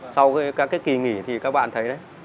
sau cái kỳ nghỉ thì các bạn thấy đấy